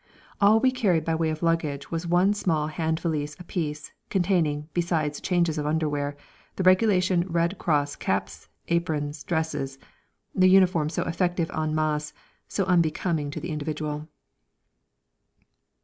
All we carried by way of luggage was one small hand valise apiece, containing, besides changes of underwear, the regulation Red Cross caps, aprons, dresses that uniform so effective en masse, so unbecoming to the individual.